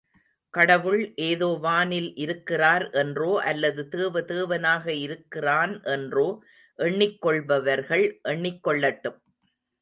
கடவுள் ஏதோ வானில் இருக்கிறார் என்றோ அல்லது தேவ தேவனாக இருக்கிறான் என்றோ எண்ணிக் கொள்பவர்கள் எண்ணிக் கொள்ளட்டும்.